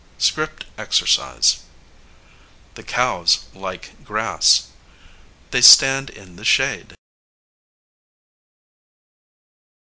[Illustration: Script Exercise: The cows like grass. They stand in the shade.